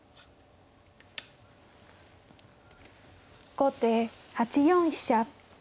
後手８四飛車。